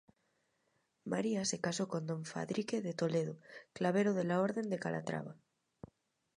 María se casó con don Fadrique de Toledo, clavero de la Orden de Calatrava.